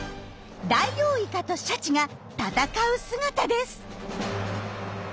ダイオウイカとシャチが闘う姿です。